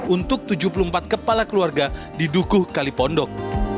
untuk tujuh puluh empat kepala keluarga di dukuh kalipondok